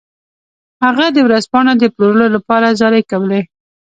هغه د ورځپاڼو د پلورلو لپاره زارۍ کولې.